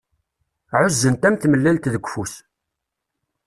Ɛuzzen-t am tmellalt deg ufus.